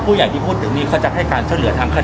พี่แจงในประเด็นที่เกี่ยวข้องกับความผิดที่ถูกเกาหา